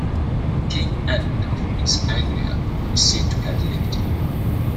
King Edmund of East Anglia is said to have lived here.